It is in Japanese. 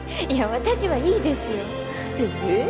私はいいですよえっ？